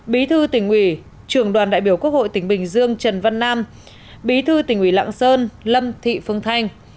bí thư tỉnh ủy trường đoàn đại biểu quốc hội tỉnh bình dương trần văn nam bí thư tỉnh ủy lạng sơn lâm thị phương thanh